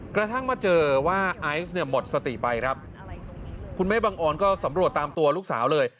กระทั่งมาเจอว่าไอซ์เนี่ยหมดสติไปครับคุณแม่บังออนก็สำรวจตามตัวลูกสาวเลย